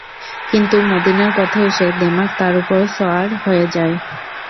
কিন্তু মদীনার পথে এসে দেমাগ তার উপর সওয়ার হয়ে যায়।